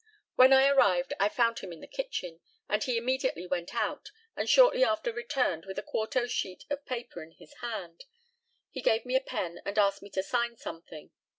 When I arrived I found him in the kitchen, and he immediately went out, and shortly after returned with a quarto sheet of paper in his hand. He gave me a pen, and asked me to sign something.